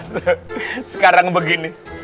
ustadz sekarang begini